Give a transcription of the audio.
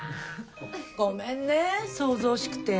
ごめんね騒々しくて。